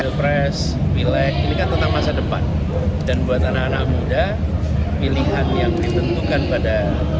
depresi pilihkan tentang masa depan dan buat anak anak muda pilihan yang ditentukan pada